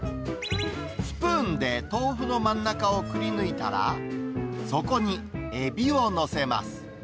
スプーンで豆腐の真ん中をくりぬいたら、そこにエビを載せます。